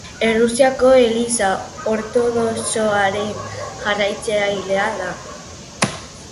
Errusiako Eliza ortodoxoaren jarraitzailea da.